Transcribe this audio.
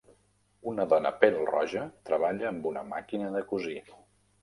Una dona pèl-roja treballa amb una màquina de cosir.